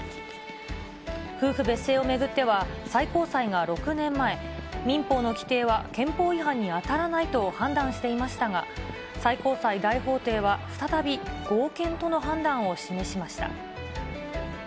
夫婦別姓を巡っては、最高裁が６年前、民法の規定は憲法違反に当たらないと判断していましたが、最高裁大法廷は、再び合憲との判断を示しました。